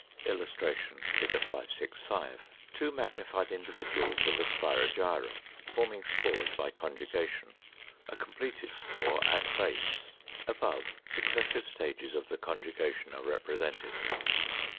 ] [Illustration: Fig. 565. Two magnified individuals of a Spirogyra, forming spores by conjugation; a completed spore at base: above, successive stages of the conjugation are represented.